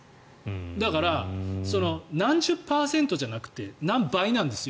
だから何十パーセントじゃなくて何倍なんですよ。